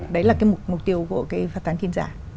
đấy là cái mục tiêu của cái phát tán tin giả